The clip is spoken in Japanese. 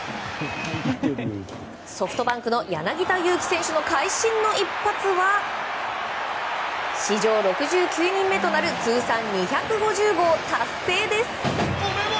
ソフトバンクの柳田悠岐選手の会心の一発は史上６９人目となる通算２５０号達成です！